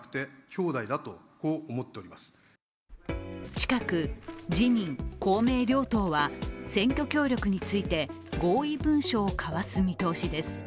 近く、自民・公明両党は選挙協力について合意文書を交わす見通しです。